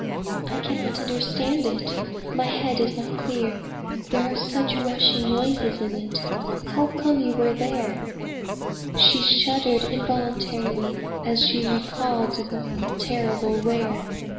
"I cannot understand it. My head is not clear. There are such rushing noises in it. How came you there?" She shuddered involuntarily as she recalled the terrible where.